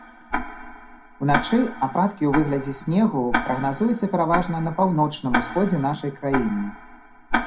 Уначы ападкі ў выглядзе снегу прагназуюцца пераважна на паўночным усходзе нашай краіны.